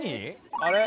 「あれ？